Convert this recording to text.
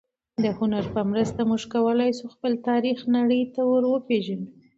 د هنر په مرسته موږ کولای شو خپل تاریخ نړۍ ته وپېژنو.